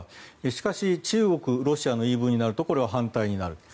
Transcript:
しかし、中国、ロシアの言い分になるとこれは反対になる。